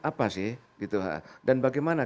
apa sih dan bagaimana